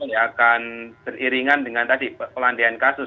ya akan seiringan dengan tadi pelandian kasus